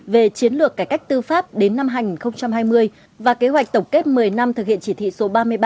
về chiến lược cải cách tư pháp đến năm hai nghìn hai mươi và kế hoạch tổng kết một mươi năm thực hiện chỉ thị số ba mươi ba